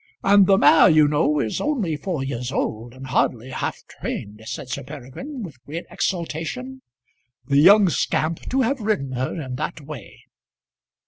"And the mare, you know, is only four years old and hardly half trained," said Sir Peregrine, with great exultation. "The young scamp, to have ridden her in that way!"